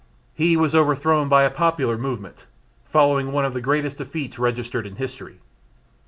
He was overthrown by a popular movement, following one of the greatest defeats registered in history.